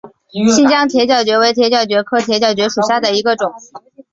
新疆铁角蕨为铁角蕨科铁角蕨属下的一个种。